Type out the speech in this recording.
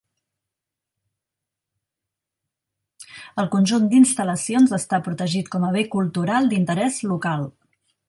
El conjunt d'instal·lacions està protegit com a bé cultural d'interès local.